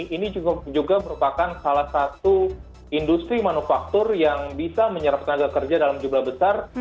ini juga merupakan salah satu industri manufaktur yang bisa menyerap tenaga kerja dalam jumlah besar